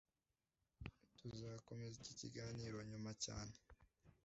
Tuzakomeza iki kiganiro nyuma cyane